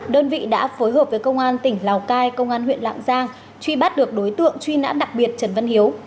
đơn vị đã phối hợp với công an tỉnh lào cai công an huyện lạng giang truy bắt được đối tượng truy nã đặc biệt trần văn hiếu